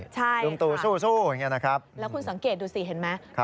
ใช่ค่ะแล้วคุณสังเกตดูสิเห็นไหม